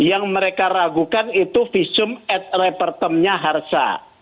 yang mereka ragukan itu visum at repertemnya harsa